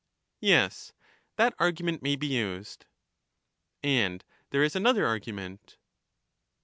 Yes, that argument may be used. And there is another ailment.